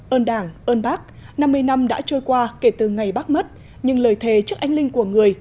ơn đảng ơn bác năm mươi năm đã trôi qua kể từ ngày bác mất nhưng lời thề trước ánh linh của người